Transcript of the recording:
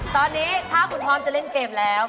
ตอนนี้ถ้าคุณพร้อมจะเล่นเกมแล้ว